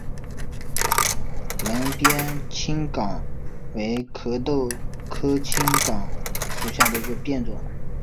睦边青冈为壳斗科青冈属下的一个变种。